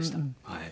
はい。